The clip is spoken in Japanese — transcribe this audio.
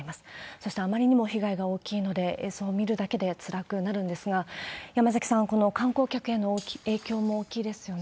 そしてあまりにも被害が大きいので、映像を見るだけでつらくなるんですが、山崎さん、この観光客への影響も大きいですよね。